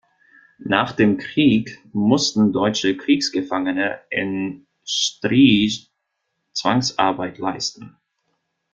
Nach dem Krieg mussten deutsche Kriegsgefangene in Stryj Zwangsarbeit leisten.